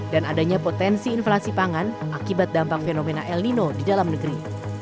adanya potensi inflasi pangan akibat dampak fenomena el nino di dalam negeri